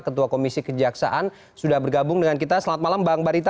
ketua komisi kejaksaan sudah bergabung dengan kita selamat malam bang barita